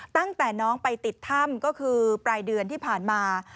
ตั้งแต่น้องไปติดถ้ำก็คือปลายเดือนที่ผ่านมา